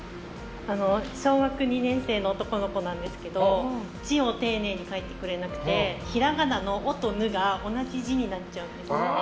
小学２年生の男の子なんですけど字を丁寧に書いてくれなくてひらがなの「お」と「ぬ」が同じ字になっちゃうんです。